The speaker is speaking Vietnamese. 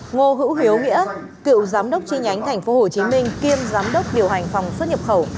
ngô hữu hiếu nghĩa cựu giám đốc chi nhánh tp hcm kiêm giám đốc điều hành phòng xuất nhập khẩu